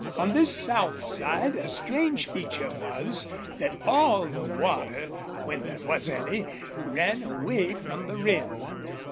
On this south side a strange feature was that all the water, when there was any, ran away from the rim.